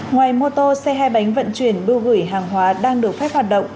ngoài mô tô xe hai bánh vận chuyển bưu gửi hàng hóa đang được phép hoạt động